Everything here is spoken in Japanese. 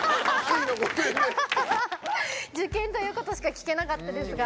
受験ということしか聞けなかったですが。